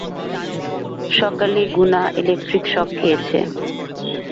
সকালে গুনা electric shock খেয়েছে।